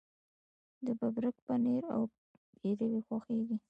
د ببرک پنیر او پیروی خوښیږي.